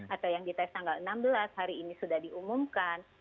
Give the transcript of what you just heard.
atau yang dites tanggal enam belas hari ini sudah diumumkan